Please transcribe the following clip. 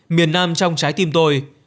miền nam trong trái tim tôi